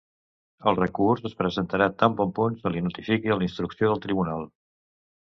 El recurs es presentarà tan bon punt se li notifiqui la instrucció del Tribunal.